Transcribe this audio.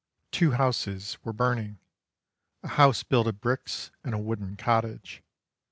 Two houses were burning a house built of bricks and a wooden cottage.